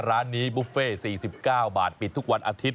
ร้านนี้บุฟเฟ่๔๙บาทปิดทุกวันอาทิตย